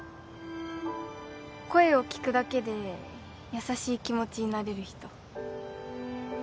声を聞くだけで優しい気持ちになれる人